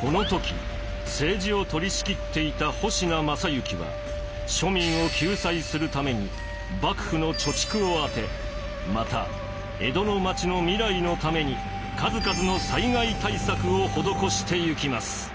この時政治を取りしきっていた保科正之は庶民を救済するために幕府の貯蓄を充てまた江戸のまちの未来のために数々の災害対策を施してゆきます。